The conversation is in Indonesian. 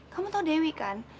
kamu tau dewi kan